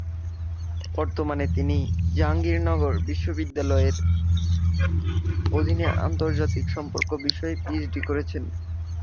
বর্তমানে তিনি জাহাঙ্গীরনগর বিশ্ববিদ্যালয়ের অধীনে আন্তর্জাতিক সম্পর্ক বিষয়ে পিএইচডি করছেন।